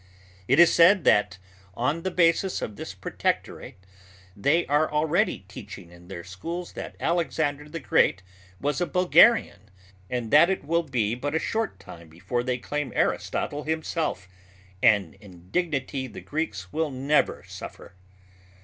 It is said that on the basis of this protectorate, they are already teaching in their schools that Alexander the Great was a Bulgarian and that it will be but a short time before they claim Aristotle himself, an indignity the Greeks will never suffer!